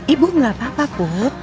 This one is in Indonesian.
ibu gak apa apa pungut